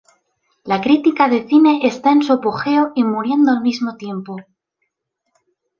La crítica de cine está en su apogeo y muriendo al mismo tiempo".